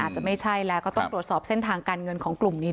จะไม่ใช่แล้วก็ต้องตรวจสอบเส้นทางการเงินของกลุ่มนี้